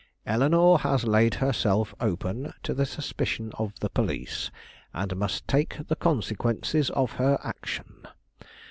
Eleanore has laid herself open to the suspicion of the police, and must take the consequences of her action.